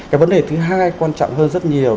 cái vấn đề thứ hai quan trọng hơn rất nhiều